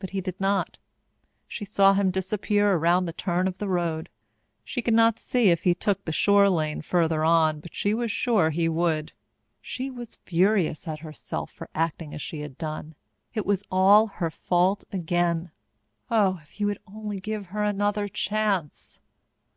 But he did not. She saw him disappear around the turn of the road. She could not see if he took the shore lane further on, but she was sure he would. She was furious at herself for acting as she had done. It was all her fault again! Oh, if he would only give her another chance!